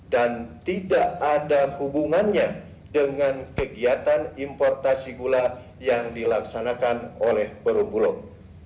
dan tidak ada hubungannya dengan kegiatan importasi gula yang dilaksanakan oleh perum bulog